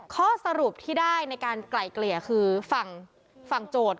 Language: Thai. ข้อสรุปที่ได้ในการไกล่เกลี่ยคือฝั่งโจทย์